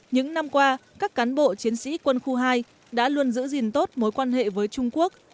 những năm qua các cán bộ chiến sĩ quân khu hai đã luôn giữ gìn tốt mối quan hệ với trung quốc